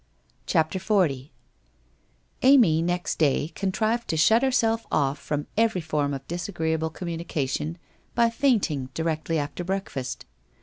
CHAPTER XL Amy next day contrived to shut herself off from every form of disagreeable communication by fainting directly after breakfast.